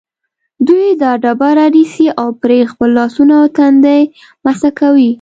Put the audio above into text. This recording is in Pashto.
دوی دا ډبره نیسي او پرې خپل لاسونه او تندی مسح کوي.